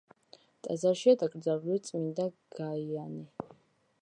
ტაძარშია დაკრძალული წმინდა გაიანე.